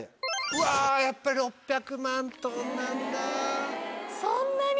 うわやっぱり６００万ｔなんだ。